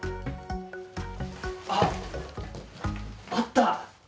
ああ、あった！